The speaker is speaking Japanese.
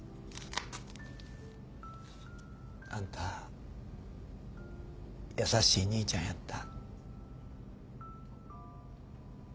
あんた優しい兄ちゃんやった。